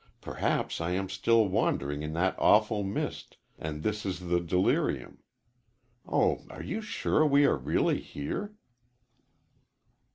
Perhaps I am still wandering in that awful mist, and this is the delirium. Oh, are you sure we are really here?"